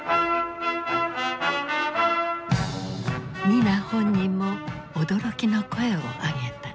ニナ本人も驚きの声を上げた。